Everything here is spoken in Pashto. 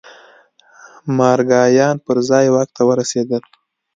مارګایان پر ځای واک ته ورسېدل.